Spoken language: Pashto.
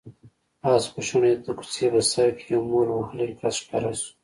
آس وشڼېد، د کوڅې په سر کې يو مول وهلی کس ښکاره شو.